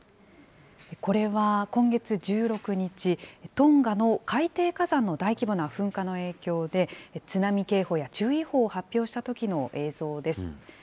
これは今月１６日、トンガの海底火山の大規模な噴火の影響で、津波警報や注意報を発表したときの映像です。